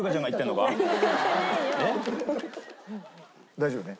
大丈夫ね？